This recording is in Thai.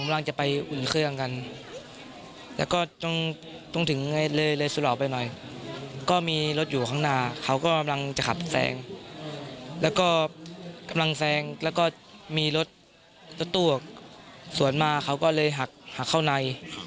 แล้วก็กำลังแซงแล้วก็มีรถตู้สวนมาเขาก็เลยหักเข้าใน